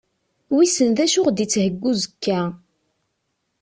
Wissen d acu i aɣ-d-yettheggi uzekka?